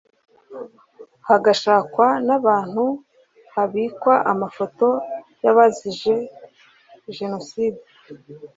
hagashakwa n’ahantu habikwa amafoto y’abazize Jenoside